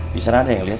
di sana ada yang ngeliat